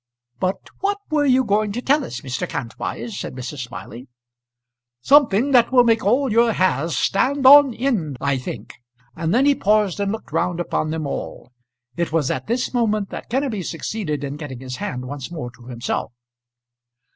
"But what were you going to tell us, Mr. Kantwise?" said Mrs. Smiley. "Something that will make all your hairs stand on end, I think." And then he paused and looked round upon them all. It was at this moment that Kenneby succeeded in getting his hand once more to himself.